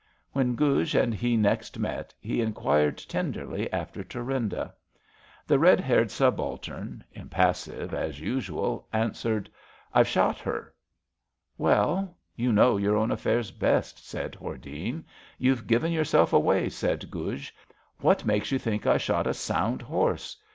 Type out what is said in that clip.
When Guj and he next met, he enquired tenderly after Thurmda. 144 ABAFT THE FUNNEL The red haired subaltern, impassive as usual, an swered: IVe shot her/^ Well — ^you know your own affairs best,'' said Hordene. YouVe given yourself away," said Guj. What makes you think I shot a sound horse?